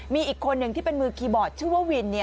มีอีกคนหนึ่งที่เป็นมือคีย์บอร์ดชื่อว่าวิน